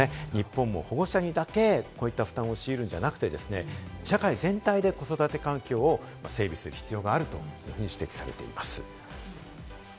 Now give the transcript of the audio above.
日本も保護者にだけこういった負担を強いるのではなくてですね、社会全体で子育て環境を整備する必要があると指摘されています。